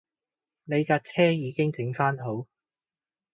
你架車已經整番好